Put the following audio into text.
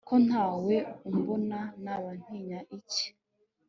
ko nta we umbona, naba ntinya iki